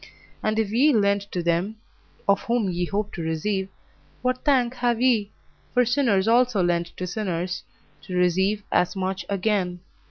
And if ye lend to them of whom ye hope to receive, what thank have ye? for sinners also lend to sinners, to receive as much again.